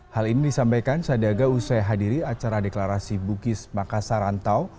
hal ini disampaikan sandiaga usai hadiri acara deklarasi bukis makassarantau